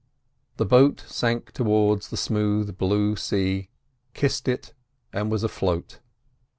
The boat sank towards the smooth blue sea, kissed it and was afloat.